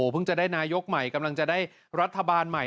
จะได้นายกใหม่กำลังจะได้รัฐบาลใหม่